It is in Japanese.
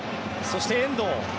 そして遠藤。